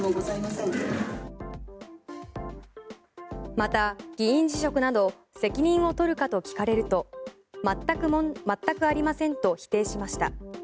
また、議員辞職など責任を取るかと聞かれると全くありませんと否定しました。